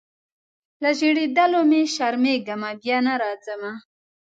له ژړېدلو مي شرمېږمه بیا نه راځمه